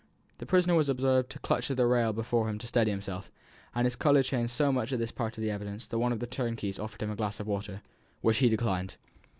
"The prisoner was observed to clutch at the rail before him to steady himself, and his colour changed so much at this part of the evidence that one of the turnkeys offered him a glass of water, which he declined.